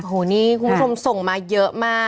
โอ้โหนี่คุณผู้ชมส่งมาเยอะมาก